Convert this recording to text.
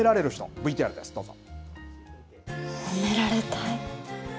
ＶＴＲです、どうぞ。